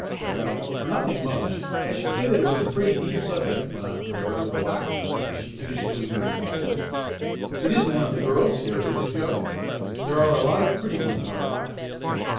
"Well, for 'nothing much' I should say that it was a pretty deep subject," went on Clara with a laugh, as she finished doing her examples. "It isn't one of the girls here, is it Joe? There are a lot of pretty ones in our class."